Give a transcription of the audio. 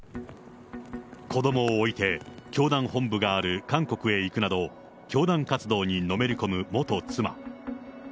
子どもを置いて、教団本部がある韓国へ行くなど、教団活動にのめり込む元妻。